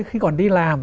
khi còn đi làm